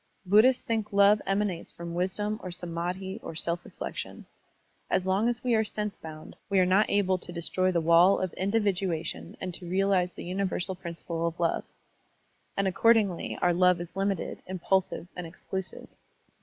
Buddhists think love emanates from wisdom or samddhi or self reflection. As long as we are sense bound, we are not able to destroy the wall Digitized by Google KWANNON BOSATZ 167 of individuation and to realize the universal principle of love; and accordingly our love is limited^ impulsive, and exclusive.